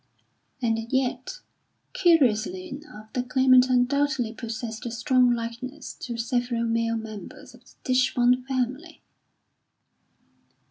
And yet, curiously enough, the Claimant undoubtedly possessed a strong likeness to several male members of the Tichborne family."